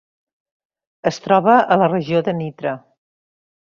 Es troba a la regió de Nitra.